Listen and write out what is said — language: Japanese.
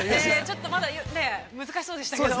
◆ちょっとまだ、難しそうでしたけども。